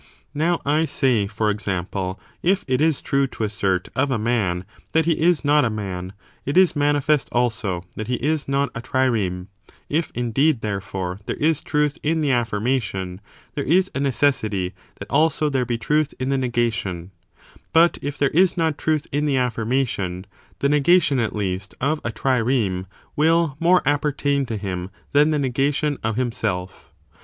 Now, I say, for example, if it is true to assert of a man that he is not a man, it is manifest also that he is not a trireme ; if, indeed, therefore, there is truth in the affirmation, there is a necessity that also there be truth in the negation : but if there is not truth in the affirmation, the negation, at least, of a trireme will more appertain to him than the negation of himself.